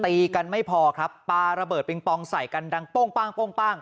ตีกันไม่พอครับปลาระเบิดปิงปองใส่กันดังโป้งปั้ง